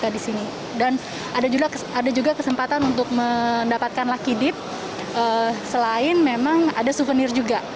dan ada juga kesempatan untuk mendapatkan lucky deep selain memang ada souvenir juga